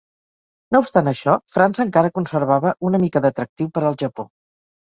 No obstant això, França encara conservava una mica d'atractiu per al Japó.